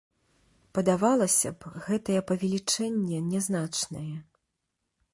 Падавалася б, гэтае павелічэнне нязначнае.